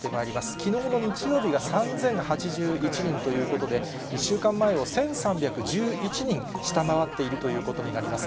きのうの日曜日が３０８１人ということで、１週間前を１３１１人下回っているということになります。